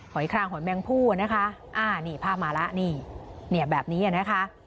อยคลางหอยแมงผู้นะคะอ่านี่ภาพมาแล้วนี่เนี่ยแบบนี้นะคะ